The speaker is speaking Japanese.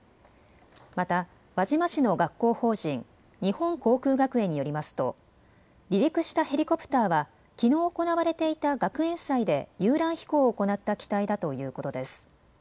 また輪島市の学校法人日本航空学園によりますと、離陸したヘリコプターはきのう行われていた学園祭で遊覧飛行を行った機体だということです。